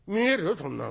そんなの。